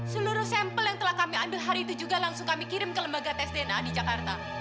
seluruh sampel yang telah kami ambil hari itu juga langsung kami kirim ke lembaga tes dna di jakarta